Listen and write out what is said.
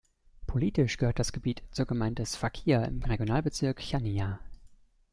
Politisch gehört das Gebiet zur Gemeinde Sfakia im Regionalbezirk Chania.